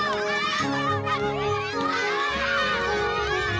aku mau ini dah